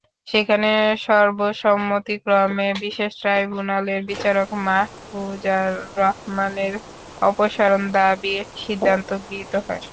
সেখানে সর্বসম্মতিক্রমে বিশেষ ট্রাইব্যুনালের বিচারক মাহফুজার রহমানের অপসারণ দাবির সিদ্ধান্ত গৃহীত হয়।